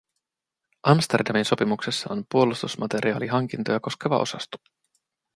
Amsterdamin sopimuksessa on puolustusmateriaalihankintoja koskeva osasto.